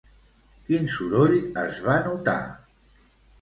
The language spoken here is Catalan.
Quin soroll es va notar?